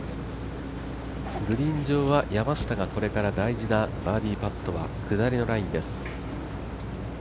グリーン上は山下がこれから大事なバーディーパットが下りのラインです。